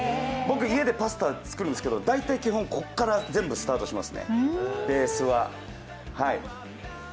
僕、家でパスタ作るんですけど、基本ここからスタートしますね、ベースは。